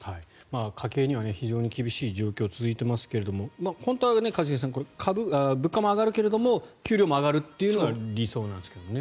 家計には非常に厳しい状況が続いていますが本当は一茂さん、物価も上がるけれども給料も上がるというのが理想なんですけどね。